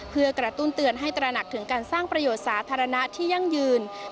เพื่อกระตุ้นเตือนให้ตระหนักถึงการสร้างประโยชน์สาธารณะที่ยั่งยืน